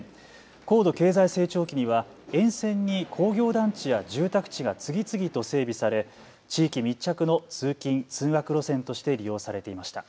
高度経済成長期には沿線に工業団地や住宅地が次々と整備され地域密着の通勤・通学路線として利用されていました。